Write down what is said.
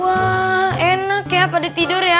wah enak ya pada tidur ya